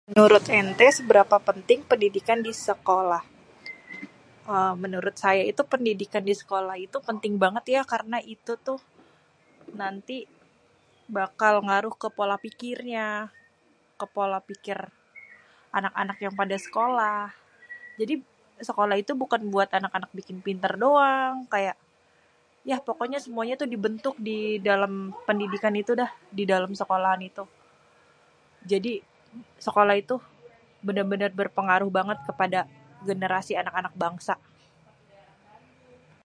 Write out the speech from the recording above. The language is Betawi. Menurut enté seberapa penting pendidikan di sekolah? Menurut saya itu pendidikan di sekolah itu penting bangét ya, karena itu tuh nanti bakal ngaruh kê pola pikirnya, kê pola pikir anak-anak yang pada sekolah, jadi sekolah itu bukan buat anak-anak bikin pintér doang kayak yah pokoknya semuanya dibentuk di dalêm pendidikan itu dah di dalêm sekolaan itu, jadi sekolah itu bénér-bénér berpengaruh kepada generasi anak-anak bangsa.